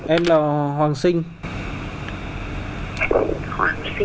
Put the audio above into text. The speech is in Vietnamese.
em là hoàng sinh